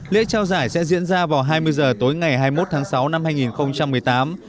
lễ trao giải sẽ diễn ra vào hai mươi h tối ngày hai mươi một tháng sáu năm hai nghìn một mươi tám